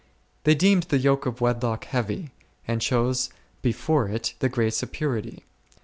They deemed the yoke of wedlock heavy, and chose before it the grace of purity.